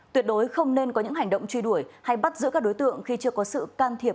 tuyệt đối không nên có những hành động truy đuổi hay bắt giữ các đối tượng khi chưa có sự can thiệp